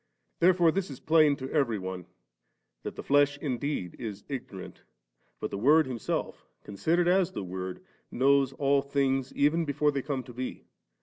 Therefore this Is plain to every one, Aat the flesh indeed is ignorant, but the Word Him self, considered as the Word, knows all things even before they come to be.